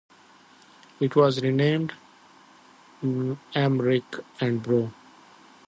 It was renamed M. Rich and Bro.